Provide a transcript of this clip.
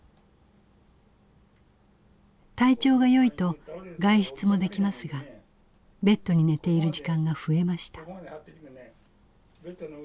体調がよいと外出もできますがベッドに寝ている時間が増えました。